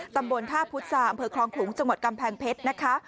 ตำบลท่าพุษาอำเภอคลองขลุงจังหวัดกำแพงเพชรนะคะ